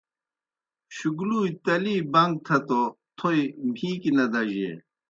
شُگلُوئے تلِی بَن٘گ تھہ توْ تھوئے مھیکیْ نہ دجیئے۔